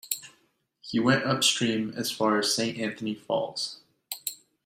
He went upstream as far as Saint Anthony Falls.